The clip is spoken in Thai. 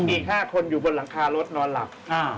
อีก๕คนอยู่บนหลังคารถนอนหลับ